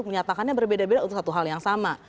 menyatakannya berbeda beda untuk satu hal yang sama